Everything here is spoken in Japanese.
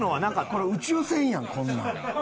これ宇宙船やんこんなん。